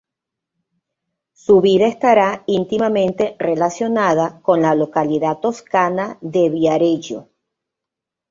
Su vida estará íntimamente relacionada con la localidad toscana de Viareggio.